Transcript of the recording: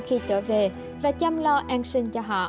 khi trở về và chăm lo an sáng